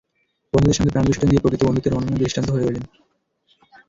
বন্ধুদের সঙ্গে প্রাণ বিসর্জন দিয়ে প্রকৃত বন্ধুত্বের অনন্য দৃষ্টান্ত হয়ে রইলেন।